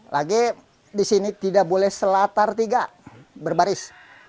lagi di sini tidak boleh selatar tiga berbaris